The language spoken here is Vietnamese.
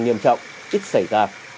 nhiêm trọng ít xảy ra